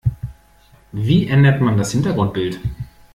Wie ändert man das Hintergrundbild?